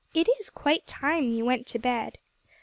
It is quite time to go to bed."